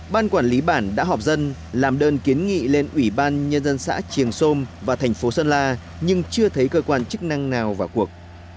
ban quản lý bản đã họp dân làm đơn kiến nghị lên ủy ban nhân dân xã triềng sôm và thành phố sơn la nhưng chưa thấy cơ quan chức năng nào vào cuộc